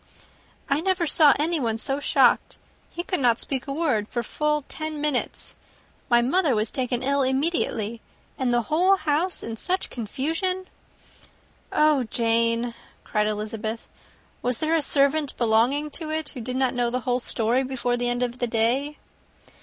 "I never saw anyone so shocked. He could not speak a word for full ten minutes. My mother was taken ill immediately, and the whole house in such confusion!" "Oh, Jane," cried Elizabeth, "was there a servant belonging to it who did not know the whole story before the end of the day?"